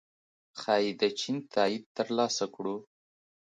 ښايي د چین تائید ترلاسه کړو